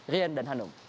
rian dan hanum